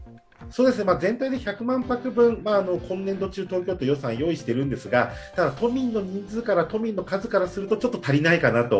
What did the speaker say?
全体で１００万泊分、今年度中、東京都は予算を用意しているんですが、都民の数からするとちょっと足りないかなと。